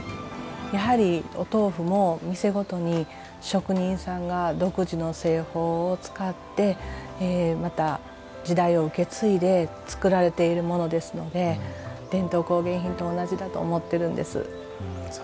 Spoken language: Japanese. やはりお豆腐も店ごとに職人さんが独自の製法を使ってまた時代を受け継いで作られているものですので伝統工芸品と同じだと思ってるんです。